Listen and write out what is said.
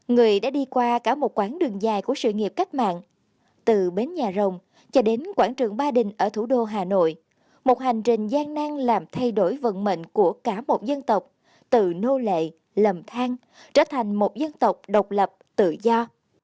người đã đi qua cả một quán đường dài của sự nghiệp cách mạng từ bến nhà rồng cho đến quảng trường ba đình ở thủ đô hà nội một hành trình gian nang làm thay đổi vận mệnh của cả một dân tộc tự nô lệ lầm thang trở thành một dân tộc độc lập tự do